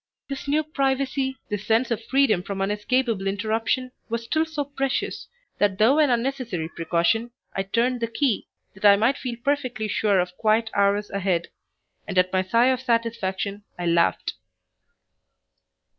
This new privacy, this sense of freedom from unescapable interruption, was still so precious, that though an unnecessary precaution, I turned the key that I might feel perfectly sure of quiet hours ahead, and at my sigh of satisfaction I laughed.